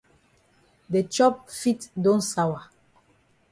De chop fit don sawa.